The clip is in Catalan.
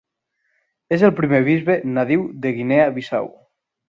És el primer bisbe nadiu de Guinea Bissau.